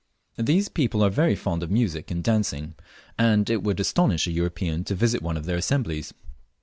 These people are very fond of music and dancing, and it would astonish a European to visit one of their assemblies.